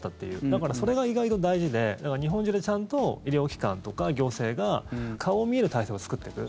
だからそれが意外と大事で日本中でちゃんと医療機関とか行政が顔を見える体制を作っていく。